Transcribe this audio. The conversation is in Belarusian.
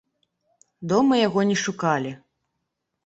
Дома яго не шукалі.